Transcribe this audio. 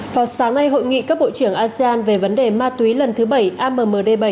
vào sáng nay hội nghị các bộ trưởng asean về vấn đề ma túy lần thứ bảy ammd bảy